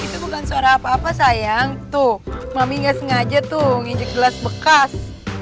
itu bukan suara apa apa sayang tuh mami nggak sengaja tuh ngincik gelas bekas